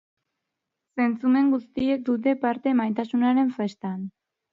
Zentzumen guztiek dute parte maitasunaren festan.